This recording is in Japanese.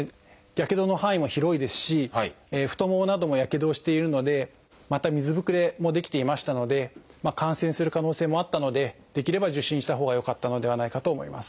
やけどの範囲も広いですし太ももなどもやけどをしているのでまた水ぶくれも出来ていましたので感染する可能性もあったのでできれば受診したほうがよかったのではないかと思います。